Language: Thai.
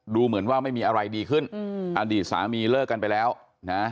ดูเหมือนว่าไม่มีอะไรดีขึ้นอืมอดีตสามีเลิกกันไปแล้วนะ